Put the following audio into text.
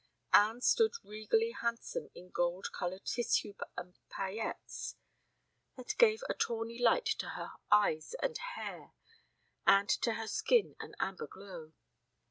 Anne looked regally handsome in gold colored tissue and paillettes that gave a tawny light to her eyes and hair, and to her skin an amber glow.